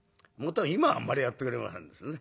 今はあんまりやってくれませんですね。